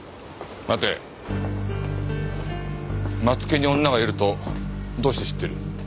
松木に女がいるとどうして知ってる？